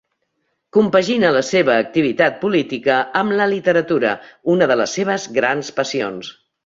Compagina la seva activitat política amb la literatura, una de les seves grans passions.